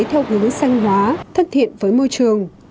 theo hướng xanh hóa thân thiện với môi trường